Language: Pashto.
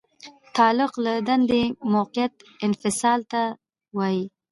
تعلیق له دندې موقت انفصال ته وایي.